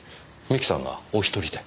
三木さんがお一人で？